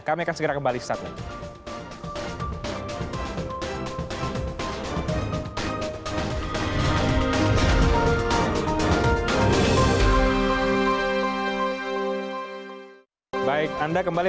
kami akan segera kembali ke saat ini